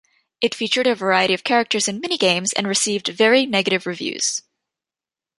It featured a variety of characters in mini-games and received very negative reviews.